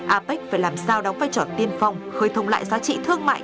apec phải làm sao đóng vai trò tiên phong khơi thông lại giá trị thương mại